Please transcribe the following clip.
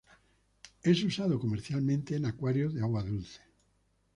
Es usado comercialmente en acuarios de agua dulce.